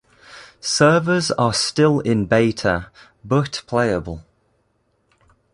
Servers are still in beta but playable.